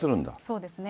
そうですね。